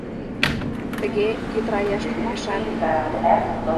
Тыге йытыраяш лӱдмашан.